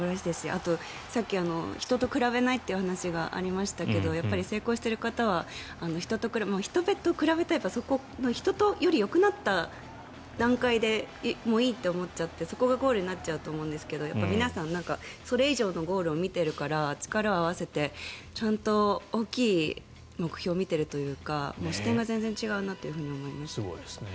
あと、さっき人と比べないという話がありましたが成功している方は人と比べたら人よりよくなった段階でもういいって思っちゃってそこがゴールになっちゃうと思うんですが皆さん、それ以上のゴールを見ているから力を合わせて大きい目標を見ているというか視点が全然違うなというふうに思いました。